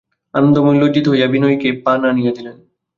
আনন্দময়ী লজ্জিত হইয়া বিনয়কে পান আনিয়া দিলেন।